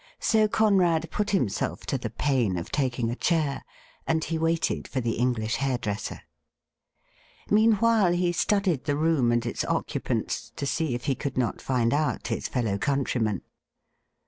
So Conrad put himself to the pain of taking a chair, and he waited for the English hairdresser. Meanwhile, he studied the room and its occupants, to see if he could not find out his fellow countryman.